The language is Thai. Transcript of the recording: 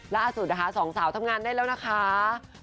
ล่าสุดนะคะสองสาวทำงานได้แล้วนะคะ